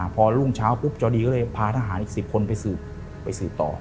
พอรุ่งเช้าปุ๊บเจ้าดีก็เลยพาทหารอีก๑๐คนไปสืบต่อ